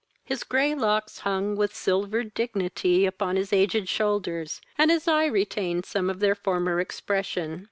His grey locks hung with silvered dignity upon his aged shoulders, and his eye retained some of their former expression.